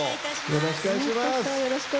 よろしくお願いします。